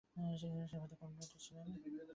তিনি সে পদে কর্মরত ছিলেন।